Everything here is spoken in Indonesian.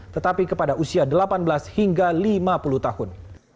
tetapi kepada usia delapan belas hingga lima puluh tahun